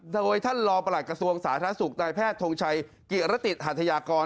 โดยท่านรอประหลัดกระทรวงสาธารณสุขนายแพทย์ทงชัยกิรติหัทยากร